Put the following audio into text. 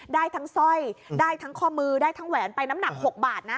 ได้ทั้งสร้อยได้ทั้งข้อมือได้ทั้งแหวนไปน้ำหนัก๖บาทนะ